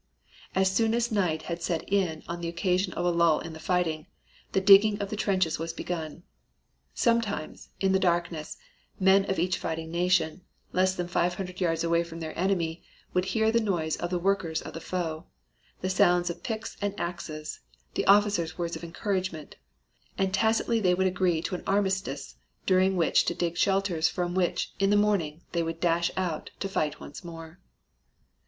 As soon as night had set in on the occasion of a lull in the fighting, the digging of the trenches was begun. Sometimes, in the darkness, the men of each fighting nation less than 500 yards away from their enemy would hear the noise of the workers of the foe: the sounds of picks and axes; the officers' words of encouragement; and tacitly they would agree to an armistice during which to dig shelters from which, in the morning, they would dash out, to fight once more.